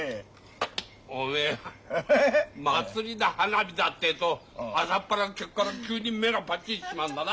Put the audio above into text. おめえ祭りだ花火だってえと朝っぱらから急に目がパッチリしちまうんだな。